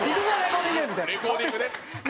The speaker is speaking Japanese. レコーティングね。